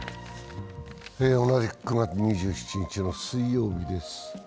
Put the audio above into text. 同じく９月２７日の水曜日です。